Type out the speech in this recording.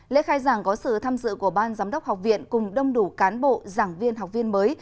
lễ khai giảng có sự tham dự của ban giám đốc học viện cùng đông đủ cán bộ giảng viên học viên mới